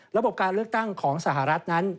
ระบบการเลือกตั้งของสหรัฐนั้น